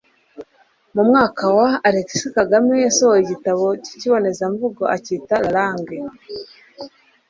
mu mwaka wa , alegisi kagame yasohoye igitabo k'ikibonezamvugo akita la langue